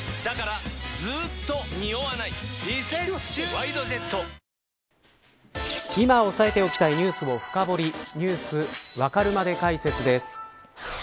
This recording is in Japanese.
「ＷＩＤＥＪＥＴ」今押さえておきたいニュースを深掘りＮｅｗｓわかるまで解説です。